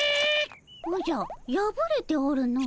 おじゃやぶれておるの。